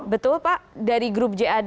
betul pak dari grup jad